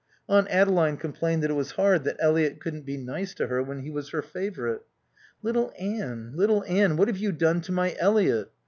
Aunt Adeline complained that it was hard that Eliot couldn't be nice to her when he was her favorite. "Little Anne, little Anne, what have you done to my Eliot?"